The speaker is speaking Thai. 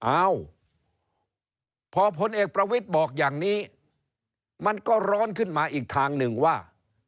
อ้าวพอพลเอกประวิทย์บอกอย่างนี้มันก็ร้อนขึ้นมาอีกทางหนึ่งว่า